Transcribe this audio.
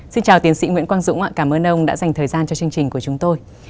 xin chào tiến sĩ nguyễn quang dũng ạ cảm ơn ông đã dành thời gian cho chương trình của chúng tôi